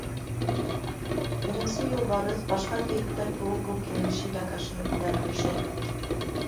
Беренсе Юлбарыҫ, башҡа кейектәр кеүек үк, емеш-еләк ашай, үлән көйшәй.